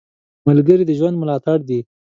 ملګری د ژوند ملاتړ دی